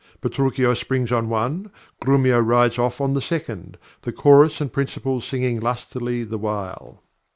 Petruchio springs on one, Grumio rides off on the second, the chorus and principals singing lustily the while.